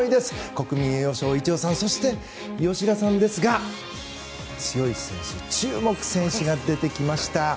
国民栄誉賞、伊調さんそして吉田さんですが強い選手、注目選手が出てきました。